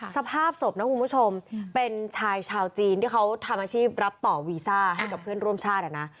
สภาพศพนะคุณผู้ชมเป็นชายชาวจีนที่เขาทำอาชีพรับต่อวีซ่าให้กับเพื่อนร่วมชาติอ่ะนะ